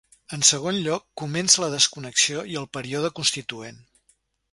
En segon lloc, comença la desconnexió i el període constituent.